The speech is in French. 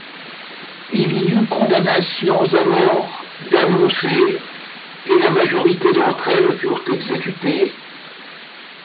Il y eut condamnations à mort d'annoncées, et la majorité d'entre elles furent exécutées.